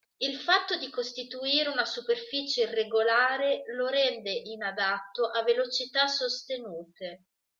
Il fatto di costituire una superficie irregolare lo rende inadatto a velocità sostenute.